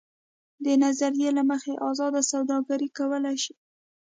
دې نظریې له مخې ازاده سوداګري کولای شي.